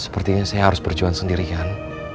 sepertinya saya harus berjuang sendirian